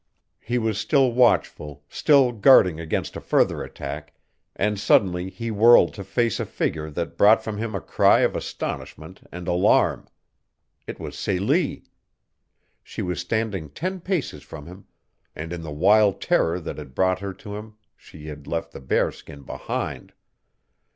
He was still watchful, still guarding against a further attack, and suddenly he whirled to face a figure that brought from him a cry of astonishment and alarm. It was Celie. She was standing ten paces from him, and in the wild terror that had brought her to him she had left the bearskin behind.